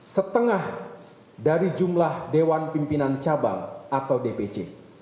setengah dari jumlah dewan pimpinan cabang atau dpc